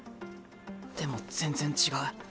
でも全然違う。